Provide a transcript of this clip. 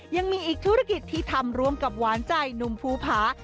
ยังมีอีกธุรกิจที่ทำร่วมกับหวานใจหนุ่มภูผา